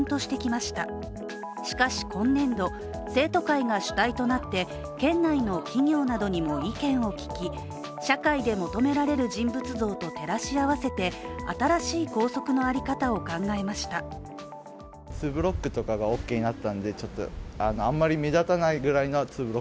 しかし、今年度、生徒会が主体となって県内の企業などにも意見を聞き社会で求められる人物像と照らし合わせて新しい校則の在り方を考えました。